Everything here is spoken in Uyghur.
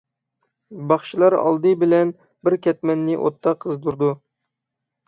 باخشىلار ئالدى بىلەن بىر كەتمەننى ئوتتا قىزدۇرىدۇ.